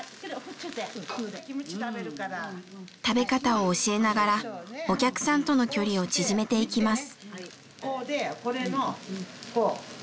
食べ方を教えながらお客さんとの距離を縮めていきます。